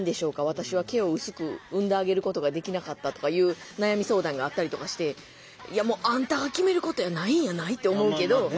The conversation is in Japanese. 私は毛を薄く産んであげることができなかった」とかいう悩み相談があったりとかして「いやもうあんたが決めることやないんやない？」って思うけど。